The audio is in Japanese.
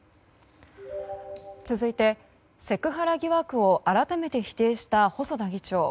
続いて、セクハラ疑惑を改めて否定した細田議長。